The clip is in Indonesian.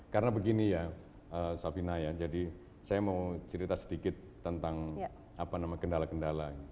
karena begini ya sofina ya jadi saya mau cerita sedikit tentang apa namanya kendala kendala